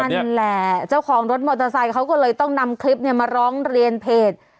นั่นแหละเจ้าของรถมอเตอร์ไซค์เขาก็เลยต้องนำคลิปเนี่ยมาร้องเรียนเพจ